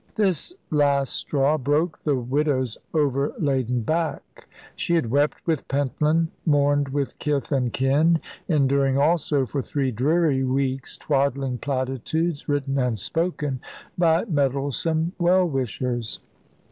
This last straw broke the widow's overladen back. She had wept with Pentland, mourned with kith and kin, enduring also, for three dreary weeks, twaddling platitudes, written and spoken, by meddlesome well wishers.